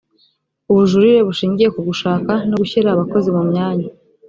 ubujurire bushingiye ku gushaka no gushyira abakozi mu myanya